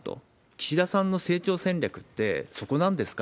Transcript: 岸田さんの成長戦略って、そこなんですか？